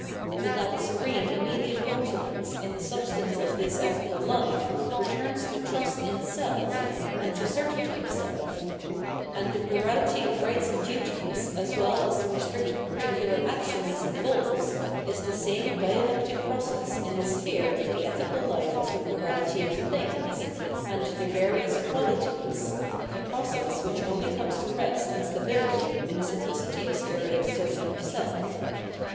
But that serene immediate confidence iu the substance of this ethical life returns to trust in self and to certainty of self ; and the plurahty of rights and duties, as well as the restricted particular action tbi!=i involves, is the same dialectic process in the sphere of the ethical life as the plurahty of " things " 714 Phenomenology of Mind and their various " qualities a process which only comes to rest and stability in the simphcity of spirit certain of self.